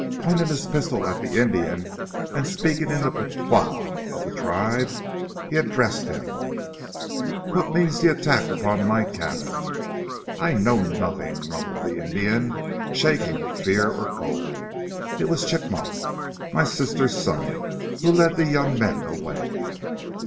Pointing his pistol at the Indian and speaking in the patois of the tribe, he addressed him. "What means the attack upon my cabin?" "I know nothing," mumbled the Indian, shaking with fear or cold. "It was Chigmok my sister's son who led the young men away."